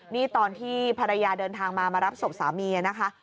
นี่ตอนที่ภรรยาเดินทางมามารับศพสามีนะคะ